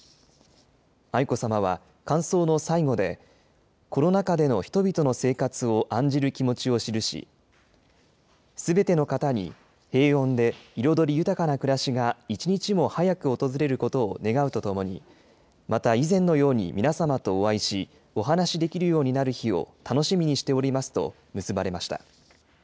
愛子さまは、感想の最後で、コロナ禍での人々の生活を案じる気持ちを記し、すべての方に平穏で彩り豊かな暮らしが一日も早く訪れることを願うとともに、また以前のように皆様とお会いし、お話できるようになる日を楽しみにしておりますと結ばれました。